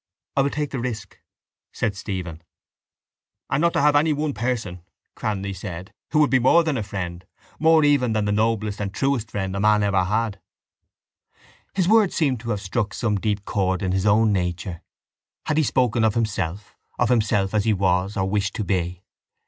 —I will take the risk, said Stephen. —And not to have any one person, Cranly said, who would be more than a friend, more even than the noblest and truest friend a man ever had. His words seemed to have struck some deep chord in his own nature. Had he spoken of himself, of himself as he was or wished to be?